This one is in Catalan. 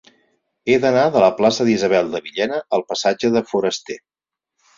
He d'anar de la plaça d'Isabel de Villena al passatge de Forasté.